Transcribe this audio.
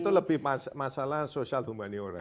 itu lebih masalah sosial humaniora